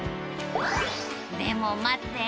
でも待って。